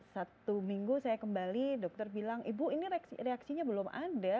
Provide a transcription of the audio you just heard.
satu minggu saya kembali dokter bilang ibu ini reaksinya belum ada